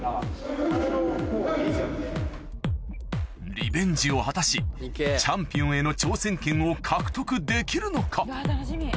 リベンジを果たしチャンピオンへの挑戦権を獲得できるのか？